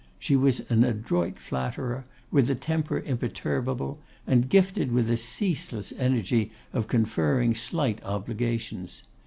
She was an adroit flatterer, with a temper imperturbable, and gifted with a ceaseless energy of conferring slight obligations.